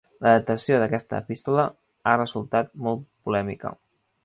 La datació d'aquesta epístola ha resultat molt polèmica.